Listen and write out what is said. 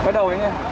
quay đầu anh nhé